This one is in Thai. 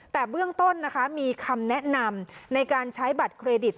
แต่เบื้องต้นนะคะมีคำแนะนำในการใช้บัตรเครดิต